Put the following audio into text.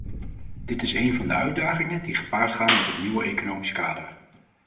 Dit is een van de uitdagingen die gepaard gaan met het nieuwe economisch kader.